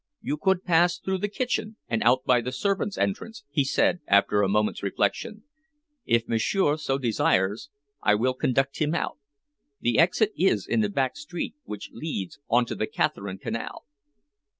"You could pass through the kitchen and out by the servants' entrance," he said, after a moment's reflection. "If m'sieur so desires, I will conduct him out. The exit is in a back street which leads on to the Catherine Canal."